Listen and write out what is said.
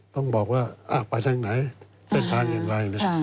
ต้องบอกว่าไปทางไหนเส้นทางอย่างไร